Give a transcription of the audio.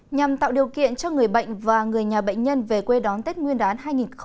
nhằm tạo điều kiện cho người bệnh và người nhà bệnh nhân về quê đón tết nguyên đán hai nghìn hai mươi